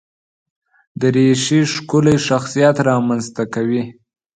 دریشي ښکلی شخصیت رامنځته کوي.